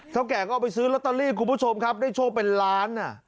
แก่ก็เอาไปซื้อลอตเตอรี่คุณผู้ชมครับได้โชคเป็นล้าน